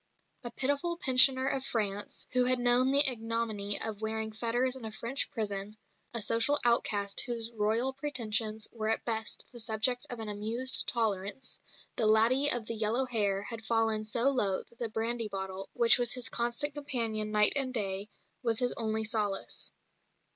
A pitiful pensioner of France, who had known the ignominy of wearing fetters in a French prison, a social outcast whose Royal pretensions were at best the subject of an amused tolerance, the "laddie of the yellow hair" had fallen so low that the brandy bottle, which was his constant companion night and day, was his only solace.